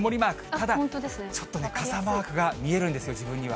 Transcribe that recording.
ただちょっとね、傘マークが見えるんですよ、自分には。